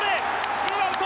ツーアウト！